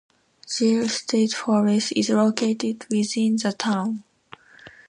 Gile State Forest is located within the town.